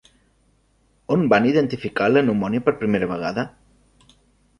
On van identificar la pneumònia per primera vegada?